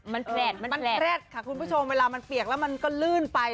มันแพร่ดค่ะคุณผู้ชมเวลามันเปียกแล้วมันก็ลื่นไป